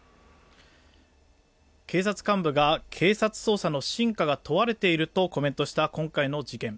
警察幹部が警察捜査の真価が問われているとコメントした今回の事件。